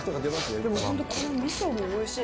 でも、ちゃんとこのみそもおいしい。